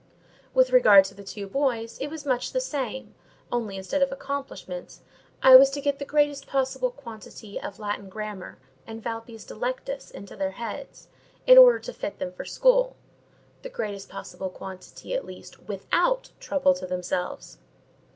With regard to the two boys, it was much the same; only instead of accomplishments, I was to get the greatest possible quantity of Latin grammar and Valpy's Delectus into their heads, in order to fit them for school—the greatest possible quantity at least without trouble to themselves.